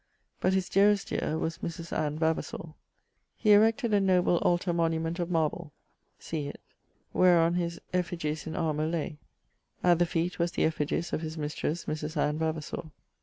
But his dearest deare was Mris. Anne Vavasour. He erected a noble altar monument of marble (☞ see it) wheron his effigies in armour lay; at the feet was the effigies of his mistresse Mris. Anne Vavasour.